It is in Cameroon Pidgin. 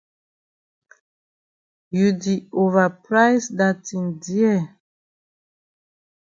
You di ova price dat tin dear.